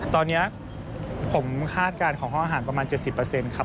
ตอนนี้ผมคาดการณ์ของห้องอาหารประมาณ๗๐ครับ